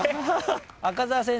赤澤先生